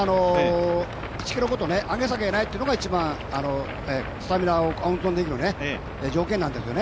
１ｋｍごと、上げ下げないっていうのが一番スタミナを温存できる条件なんですよね。